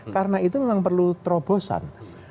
karena itu memang perlu terobosan